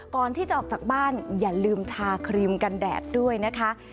ก่อนที่จะออกจากบ้านอย่าลืมทาครีมกันแดดด้วยนะคะ